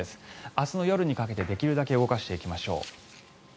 明日の夜にかけて、できるだけ動かしていきましょう。